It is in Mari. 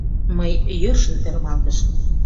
Мый йӧршын ӧрмалгышым.